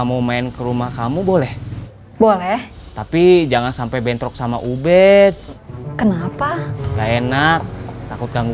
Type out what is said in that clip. mau main ke rumah kamu boleh boleh tapi jangan sampai bentrok sama ubed kenapa nggak enak takut ganggu